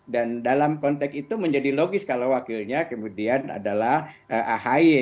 dan dalam konteks itu menjadi logis kalau wakilnya kemudian adalah ahaye